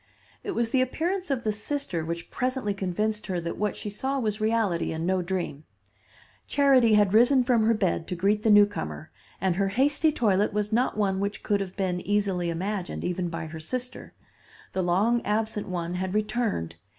It was the appearance of the sister which presently convinced her that what she saw was reality and no dream. Charity had risen from her bed to greet the newcomer, and her hasty toilet was not one which could have been easily imagine, even by her sister. The long absent one had returned.